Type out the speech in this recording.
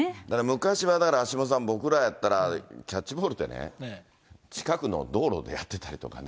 昔はだから橋下さん、僕らやったら、キャッチボールってね、近くの道路でやってたりとかね。